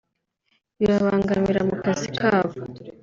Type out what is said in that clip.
bibabangamira mu kazi kabo